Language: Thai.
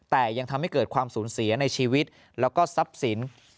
แต่ยังทำให้เกิดความสูญเสียในชีวิตแล้วก็ทรัพย์สิน